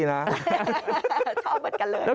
โชคสะกดกันเลย